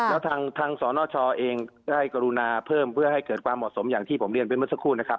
แล้วทางสนชเองได้กรุณาเพิ่มเพื่อให้เกิดความเหมาะสมอย่างที่ผมเรียนไปเมื่อสักครู่นะครับ